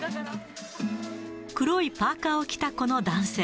黒いパーカーを着たこの男性。